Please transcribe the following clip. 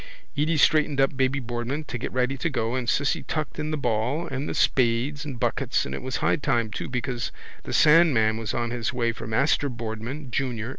Edy straightened up baby Boardman to get ready to go and Cissy tucked in the ball and the spades and buckets and it was high time too because the sandman was on his way for Master Boardman junior.